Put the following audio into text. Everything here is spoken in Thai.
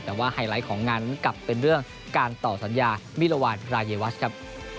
แต่ว่าไฮไลท์ของงานนั้นกลับเป็นเรื่องการต่อสัญญามิลวานพรายวัชครับ